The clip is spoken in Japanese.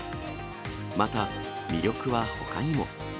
また、魅力はほかにも。